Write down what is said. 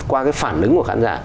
qua cái phản ứng của khán giả